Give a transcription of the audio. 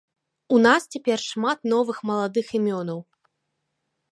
У нас цяпер шмат новых маладых імёнаў.